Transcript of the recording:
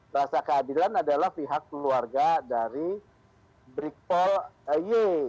rasa keadilan adalah pihak keluarga dari brikpol y